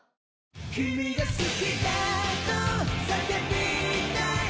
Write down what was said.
「君が好きだと叫びたい」